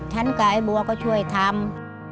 ท่านกายบวก่อก็ช่วยทำ